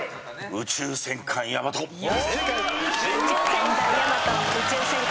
『宇宙戦艦ヤマト』正解。